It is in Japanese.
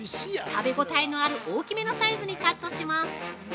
食べ応えのある大きめのサイズにカットします。